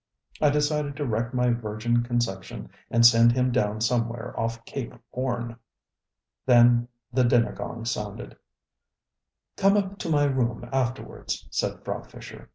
I decided to wreck my virgin conception and send him down somewhere off Cape Horn. Then the dinner gong sounded. ŌĆ£Come up to my room afterwards, ŌĆØ said Frau Fischer.